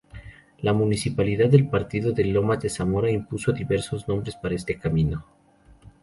La municipalidad del partido de Lomas de Zamora impuso diversos nombres para este camino.